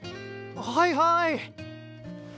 はいはい！